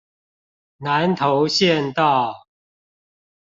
南投縣道